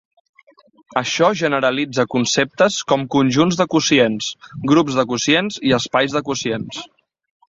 Això generalitza conceptes com conjunts de quocients, grups de quocients i espais de quocients.